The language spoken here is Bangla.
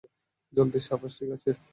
জলদি, সাবাস - ঠিকাছে।